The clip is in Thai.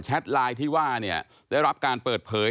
ไลน์ที่ว่าเนี่ยได้รับการเปิดเผย